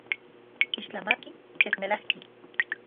Ixtlamatki, yekmelajki.